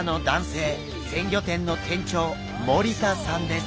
鮮魚店の店長森田さんです。